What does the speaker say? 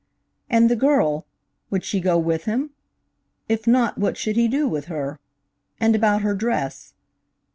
And the girl would she go with him? If not, what should he do with her? And about her dress?